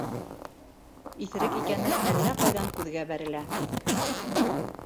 Иҫерек икәне әллә ҡайҙан күҙгә бәрелә.